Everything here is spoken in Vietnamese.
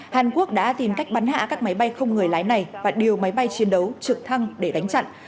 hàn quốc đã tìm cách bắn hạ các máy bay không người lái này và điều máy bay chiến đấu trực thăng để đánh chặn